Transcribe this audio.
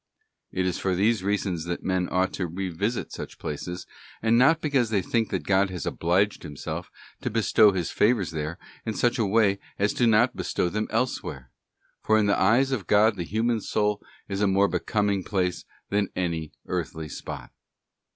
It is for these reasons that men ought to revisit such places, and not because they think that God has obliged Himself to bestow His favours there in such a way as not to bestow them —— a DIVINE CONSECRATION OF PARTICULAR PLACES. 311 elsewhere; for in the eyes of God the human soul is a more becoming place than any earthly spot.